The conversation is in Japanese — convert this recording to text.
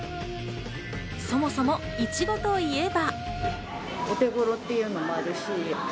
そもそも、いちごといえば。